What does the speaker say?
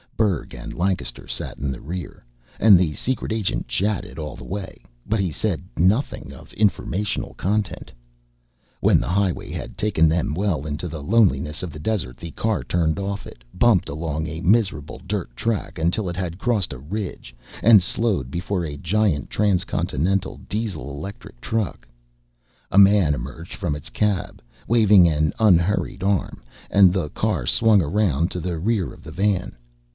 Berg and Lancaster sat in the rear, and the secret agent chatted all the way. But he said nothing of informational content. When the highway had taken them well into the loneliness of the desert, the car turned off it, bumped along a miserable dirt track until it had crossed a ridge, and slowed before a giant transcontinental dieselectric truck. A man emerged from its cab, waving an unhurried arm, and the car swung around to the rear of the van.